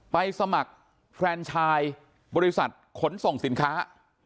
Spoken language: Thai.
สมัครแฟนชายบริษัทขนส่งสินค้า